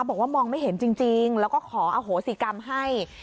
บอกว่ามองไม่เห็นจริงแล้วก็ขออโหสิกรรมให้